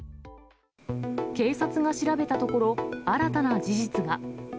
警察が調べたところ、新たな事実が。